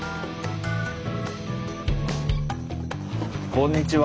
こんにちは。